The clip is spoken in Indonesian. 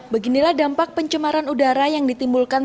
beginilah dampak pencemaran udara yang ditimbulkan